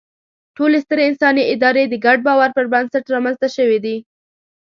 ټولې سترې انساني ادارې د ګډ باور پر بنسټ رامنځ ته شوې دي.